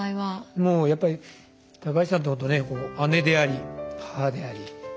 もうやっぱり高橋さんってほんとね姉であり母であり。